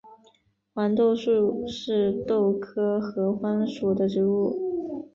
黄豆树是豆科合欢属的植物。